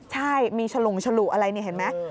ใช่มีฉลุงฉลุอะไรนี่เห็นไหม